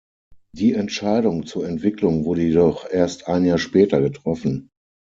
Die Entscheidung zur Entwicklung wurde jedoch erst ein Jahr später getroffen.